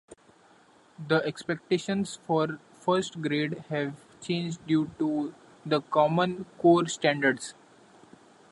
The expectations for first grade have changed due to the Common Core Standards.